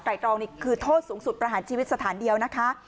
ตรองนี่คือโทษสูงสุดประหารชีวิตสถานเดียวนะคะ